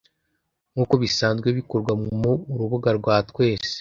nk'uko bisanzwe bikorwa mu Urubuga Rwa Twese.